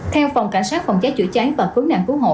theo phòng cảnh sát phòng cháy chữa cháy và cứu nạn cứu hộ